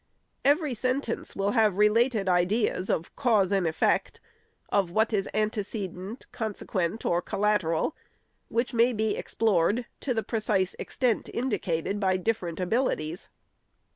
Every sen tence will have related ideas of cause and effect, of what is antecedent, consequent or collateral, which may be ex plored to the precise extent indicated by different abili ties.